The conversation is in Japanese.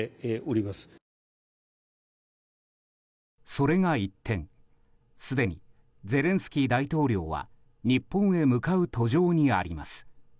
それが一転すでにゼレンスキー大統領は日本へ向かう途上にあります。